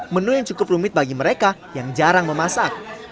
menu yang cukup rumit bagi mereka yang jarang memasak